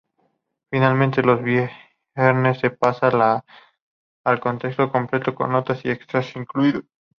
Finalmente, los viernes se pasa el conteo completo, con notas y extras incluidos.